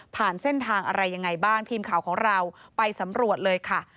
เส้นทางอะไรยังไงบ้างทีมข่าวของเราไปสำรวจเลยค่ะ